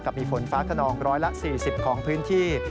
กับมีฝนฟ้าขนองร้อยละ๔๐ของพื้นที่